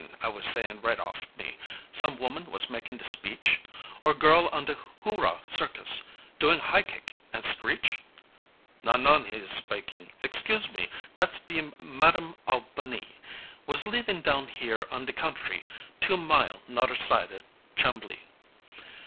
I was sayin' right off, me, "Some woman was mak' de speech, Or girl on de Hooraw Circus, doin' high kick an' screech?" "Non non," he is spikin' "Excuse me, dat's be Madam All ba nee Was leevin' down here on de contree, two mile 'noder side Chambly.